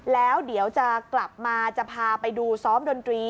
แล้วเดี๋ยวจะกลับมาจะพาไปดูซ้อมดนตรี